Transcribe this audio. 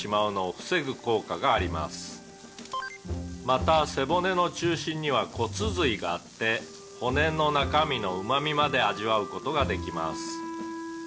「また背骨の中心には骨髄があって骨の中身のうま味まで味わう事ができます」